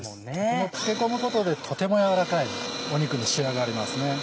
この漬け込むことでとても軟らかい肉に仕上がりますね。